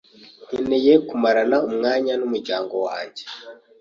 nkeneye kumarana umwanya n'umuryango wanjye.